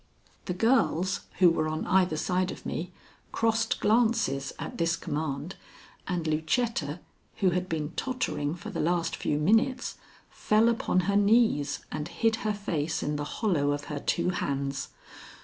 The girls, who were on either side of me, crossed glances at this command, and Lucetta, who had been tottering for the last few minutes, fell upon her knees and hid her face in the hollow of her two hands.